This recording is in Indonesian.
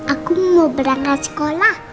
aku mau berangkat sekolah